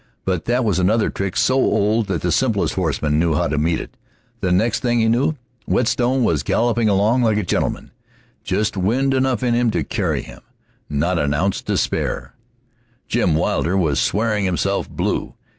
But that was another trick so old that the simplest horseman knew how to meet it. The next thing he knew, Whetstone was galloping along like a gentleman, just wind enough in him to carry him, not an ounce to spare. Jim Wilder was swearing himself blue.